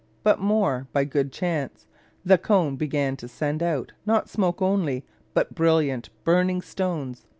But more By good chance, the cone began to send out, not smoke only, but brilliant burning stones.